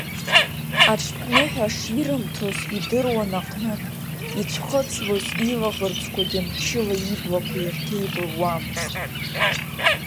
Аҽԥныҳәа ширымҭоз идыруан аҟнытә, ицәхыҵлоз илаӷырӡқәагьы мчыла иблагәқәа ирҭеибылуамызт.